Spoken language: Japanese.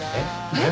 えっ？